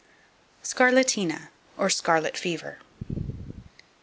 Scarlatina, or Scarlet Fever.